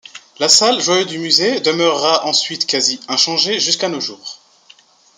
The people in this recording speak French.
La salle, joyau du musée, demeurera ensuite quasi inchangée jusqu’à nos jours.